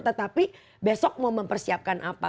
tetapi besok mau mempersiapkan apa